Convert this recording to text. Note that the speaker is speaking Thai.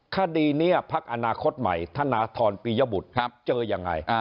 คดีนี้พักอนาคตใหม่ธนทรปียบุตรเจอยังไง